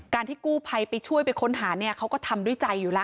ที่กู้ภัยไปช่วยไปค้นหาเนี่ยเขาก็ทำด้วยใจอยู่แล้ว